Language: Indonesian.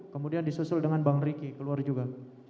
kemudian disusul dengan bang riki keluar juga